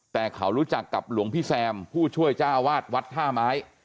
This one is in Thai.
แต่เขารู้จักกับหลวงพี่แซมผู้ช่วยเจ้าอาวาสวัดท่าไม้